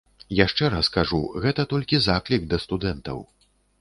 Яшчэ раз кажу, гэта толькі заклік да студэнтаў.